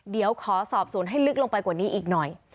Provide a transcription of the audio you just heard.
เดี๋ยวขอสอบสวนให้ลึกลงไปกว่านี้อีกหน่อย